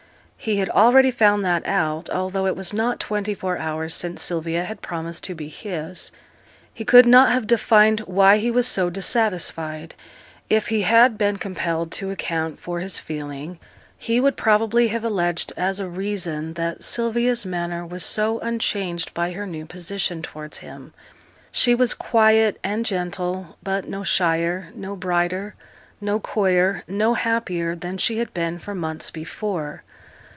He had already found that out, although it was not twenty four hours since Sylvia had promised to be his. He could not have defined why he was dissatisfied; if he had been compelled to account for his feeling, he would probably have alleged as a reason that Sylvia's manner was so unchanged by her new position towards him. She was quiet and gentle; but no shyer, no brighter, no coyer, no happier, than she had been for months before.